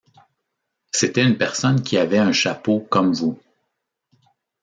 C’était une personne qui avait un chapeau comme vous.